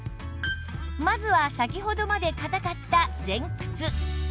まずは先ほどまで硬かった前屈